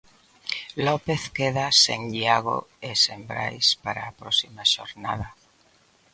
López queda sen Iago e sen Brais para a próxima xornada.